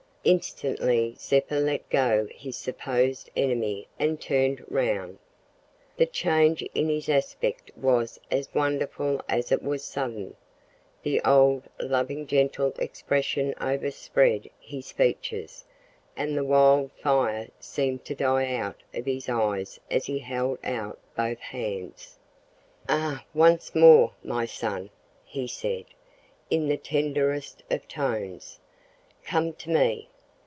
Instantly Zeppa let go his supposed enemy and turned round. The change in his aspect was as wonderful as it was sudden. The old, loving, gentle expression overspread his features, and the wild fire seemed to die out of his eyes as he held out both hands. "Ah! once more, my son!" he said, in the tenderest of tones. "Come to me.